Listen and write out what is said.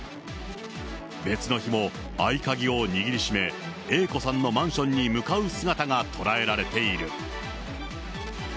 別の日も合い鍵を握りしめ、Ａ子さんのマンションに向かう姿が捉えられている。